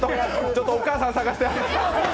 ちょっと、お母さん探して！